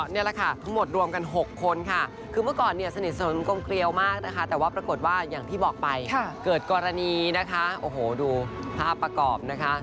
นี่แหละค่ะทั้งหมดรวมกัน๖คนค่ะคือเมื่อก่อนเนี่ยสนิทสนกลมเกลียวมากนะคะแต่ว่าปรากฏว่าอย่างที่บอกไปเกิดกรณีนะคะโอ้โหดูภาพประกอบนะคะ